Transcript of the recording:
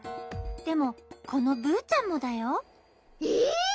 でもこのブーちゃんもだよ。えっ？